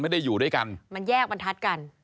มันแยกปันทัศน์กัน